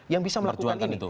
yang bisa melakukan ini